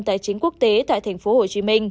tài chính quốc tế tại tp hcm